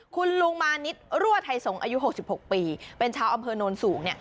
คุณลุงมานิดรั่วไทยสงศ์อายุ๖๖ปีเป็นชาวอำเภอโนนสูง